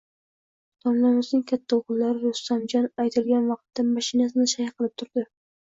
Domlamizning katta o`g`illari Rustamjon aytilgan vaqtda mashinasini shay qilib turdi